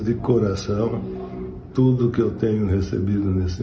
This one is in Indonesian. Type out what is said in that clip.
semua yang saya telah terima di dunia ini